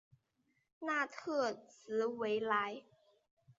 纳特兹维莱。